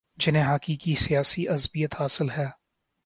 جنہیں حقیقی سیاسی عصبیت حاصل ہے